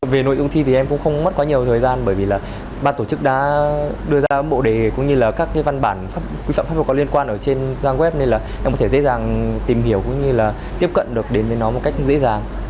về nội dung thi thì em cũng không mất quá nhiều thời gian bởi vì là ban tổ chức đã đưa ra bộ đề cũng như là các văn bản quy phạm pháp luật có liên quan ở trên trang web nên là em có thể dễ dàng tìm hiểu cũng như là tiếp cận được đến với nó một cách dễ dàng